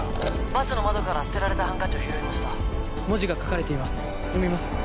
バスの窓から捨てられたハンカチを拾いました文字が書かれています読みます